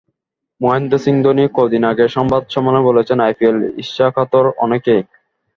মহেন্দ্র সিং ধোনি কদিন আগে সংবাদ সম্মেলনেই বলেছেন, আইপিএলে ঈর্ষাকাতর অনেকেই।